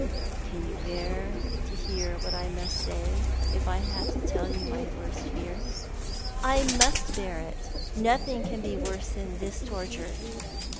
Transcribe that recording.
" Can you bear to hear wnat I must say, if I have to tell you my worst fear?" " I must bear it. Nothing can be worse than this torture."